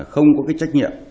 không có cái trách nhiệm